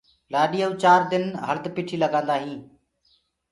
لآڏيآ ڪوُ چآر دن هݪد پِٺيٚ لگآندآ هينٚ۔